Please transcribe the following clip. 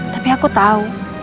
tapi aku tahu